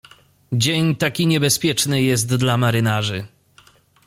"Dzień taki niebezpieczny jest dla marynarzy."